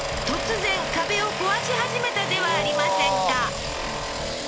突然壁を壊し始めたではありませんか